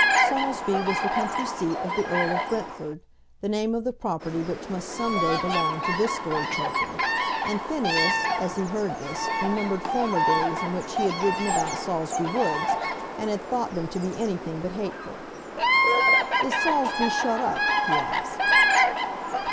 Saulsby was the country seat of the Earl of Brentford, the name of the property which must some day belong to this Lord Chiltern, and Phineas, as he heard this, remembered former days in which he had ridden about Saulsby Woods, and had thought them to be anything but hateful. "Is Saulsby shut up?" he asked.